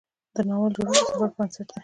د ناول جوړښت د سفر پر بنسټ دی.